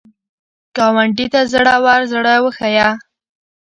ګاونډي ته زړور زړه وښیه